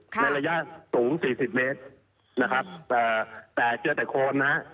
ในระยะสูงสี่สิบเมตรนะครับแต่เจอแต่โคนนะฮะ